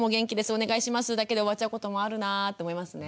お願いします」だけで終わっちゃうこともあるなぁって思いますね。